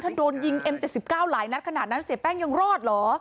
ถ้าโดนยิงเอ็ม๗๙หลายนัดขนาดนั้นเสียแป้งยังรอดเหรอ